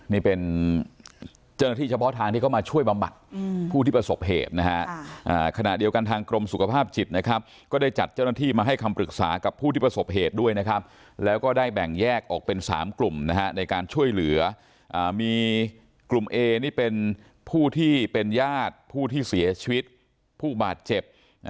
นี่เป็นเจ้าหน้าที่เฉพาะทางที่เข้ามาช่วยบำบัดผู้ที่ประสบเหตุนะฮะขณะเดียวกันทางกรมสุขภาพจิตนะครับก็ได้จัดเจ้าหน้าที่มาให้คำปรึกษากับผู้ที่ประสบเหตุด้วยนะครับแล้วก็ได้แบ่งแยกออกเป็น๓กลุ่มนะฮะในการช่วยเหลือมีกลุ่มเอนี่เป็นผู้ที่เป็นญาติผู้ที่เสียชีวิตผู้บาดเจ็บ